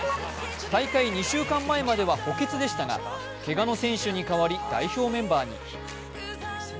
大会２週間前までは補欠でしたがけがの選手に代わり代表メンバーに。